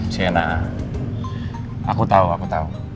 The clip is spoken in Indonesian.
sienna aku tau aku tau